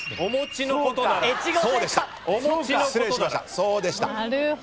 そうでした。